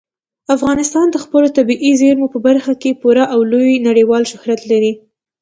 افغانستان د خپلو طبیعي زیرمو په برخه کې پوره او لوی نړیوال شهرت لري.